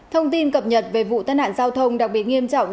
thông tin cập nhật về vụ tân hạn giao thông đặc biệt nghiêm trọng